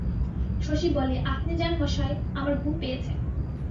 শশী বলে, আপনি যান মশায়, আমার ঘুম পেয়েছে।